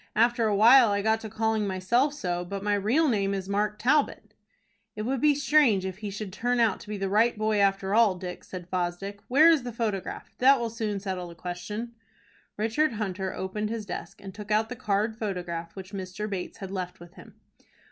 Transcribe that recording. After a while I got to calling myself so, but my real name is Mark Talbot." "It would be strange if he should turn out to be the right boy after all, Dick," said Fosdick. "Where is the photograph? That will soon settle the question." Richard Hunter opened his desk, and took out the card photograph which Mr. Bates had left with him.